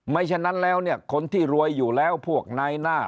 ฉะนั้นแล้วเนี่ยคนที่รวยอยู่แล้วพวกนายหน้า